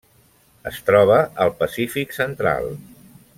Es troba al Pacífic central.